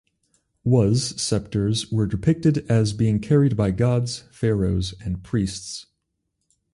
"Was" sceptres were depicted as being carried by gods, pharaohs, and priests.